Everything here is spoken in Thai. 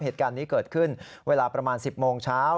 เหตุการณ์นี้เกิดขึ้นเวลาประมาณ๑๐โมงเช้า